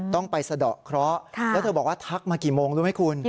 ต้องไปสะดอกเคราะห์แล้วเธอบอกว่าทักมากี่โมงรู้ไหมคุณ